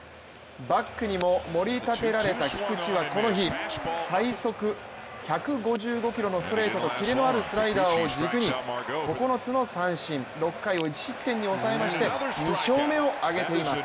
バックにももり立てられた菊池は最速１５５キロのストレートとキレのあるスライダーを軸に９つの三振、６回を１失点に抑えまして２勝目を挙げています。